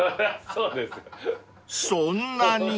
［そんなに？］